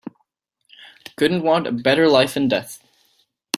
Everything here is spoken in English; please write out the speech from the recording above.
Couldn't want a better life and death.